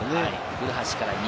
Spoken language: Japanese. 古橋から右。